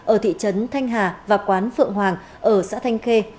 ở thị trấn thanh hà và quán phượng hoàng ở xã thanh khê